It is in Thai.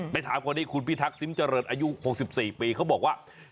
ถามคนนี้คุณพิทักษิมเจริญอายุ๖๔ปีเขาบอกว่า